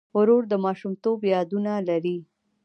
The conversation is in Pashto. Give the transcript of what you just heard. ورور د ماشومتوب یادونه لري.